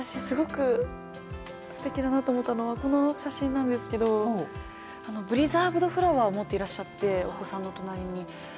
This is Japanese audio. すごくすてきだなと思ったのはこの写真なんですけどブリザーブドフラワーを持っていらっしゃってお子さんの隣に。